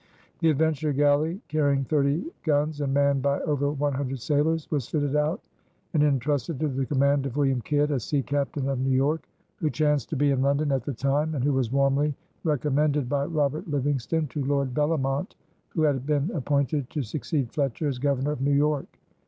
The Adventure Galley, carrying thirty guns and manned by over one hundred sailors, was fitted out and entrusted to the command of William Kidd, a sea captain of New York who chanced to be in London at the time and who was warmly recommended by Robert Livingston to Lord Bellomont, who had been appointed to succeed Fletcher as Governor of New York.